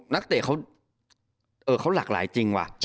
นักเตะเขาหลากหลายจริงว่ะ